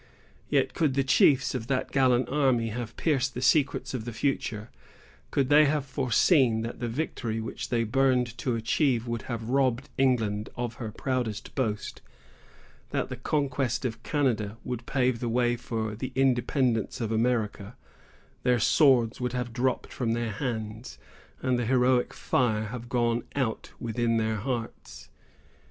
Yet, could the chiefs of that gallant army have pierced the secrets of the future, could they have foreseen that the victory which they burned to achieve would have robbed England of her proudest boast, that the conquest of Canada would pave the way for the independence of America, their swords would have dropped from their hands, and the heroic fire have gone out within their hearts.